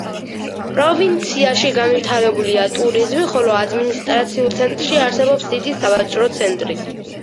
პროვინციაში განვითარებულია ტურიზმი, ხოლო ადმინისტრაციულ ცენტრში არსებობს დიდი სავაჭრო ცენტრი.